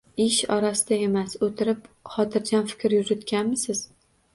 Ish orasida emas, o‘tirib, xotirjam fikr yuritganmisiz